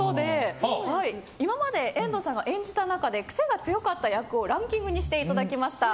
今まで遠藤さんが演じた中で癖が強かった役をランキングにしていただきました。